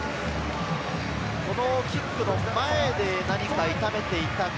キックの前で何か痛めていたか？